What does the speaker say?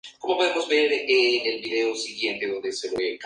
Estos se sometieron a un tratado y se asentaron en Velia.